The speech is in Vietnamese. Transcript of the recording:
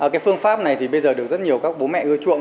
cái phương pháp này thì bây giờ được rất nhiều các bố mẹ ưa chuộng